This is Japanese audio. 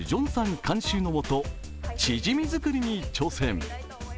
監修のもとチジミ作りに挑戦。